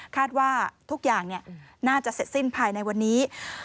ว่าทุกอย่างน่าจะเสร็จสิ้นภายในวันนี้